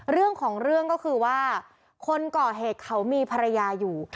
เรื่องของเรื่องก็คือว่าคนก่อเหตุเขามีภรรยาอยู่